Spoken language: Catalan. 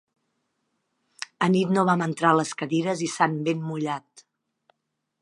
Anit no vam entrar les cadires i s'han ben mullat.